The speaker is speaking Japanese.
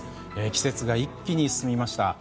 季節が一気に進みました。